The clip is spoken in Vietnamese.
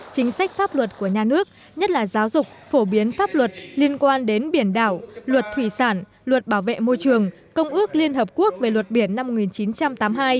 chính sách pháp luật của nhà nước nhất là giáo dục phổ biến pháp luật liên quan đến biển đảo luật thủy sản luật bảo vệ môi trường công ước liên hợp quốc về luật biển năm một nghìn chín trăm tám mươi hai